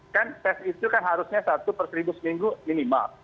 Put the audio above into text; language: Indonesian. kan tes itu kan harusnya satu per seribu seminggu minimal